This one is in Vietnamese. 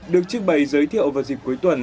được trưng bày giới thiệu vào dịp cuối tuần